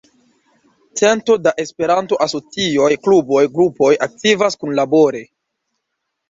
Cento da Esperanto-asocioj, kluboj, grupoj aktivas kunlabore.